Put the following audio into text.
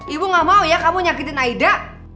ibu gak mau ya kamu nyakitin aida